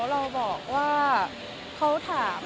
เราบอกว่าเขาถาม